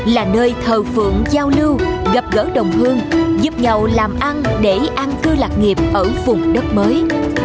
là nơi thờ phượng giao lưu gặp gỡ đồng hương giúp nhau làm ăn để an cư lạc nghiệp ở vùng đất mới